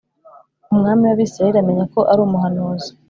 umwami w’Abisirayeli amenya ko ari umuhanuzi